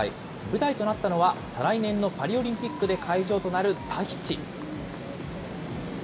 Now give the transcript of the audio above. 舞台となったのは、再来年のパリオリンピックで会場となるタヒチ。